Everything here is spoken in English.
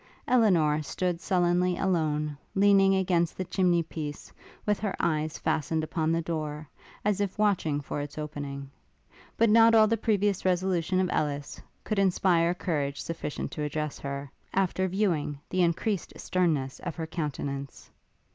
Elinor stood sullenly alone, leaning against the chimney piece, with her eyes fastened upon the door, as if watching for its opening: but not all the previous resolution of Ellis, could inspire courage sufficient to address her, after viewing the increased sternness of her countenance.